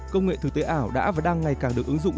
công nghệ thực tế ảo đã và đang ngày càng được ứng dụng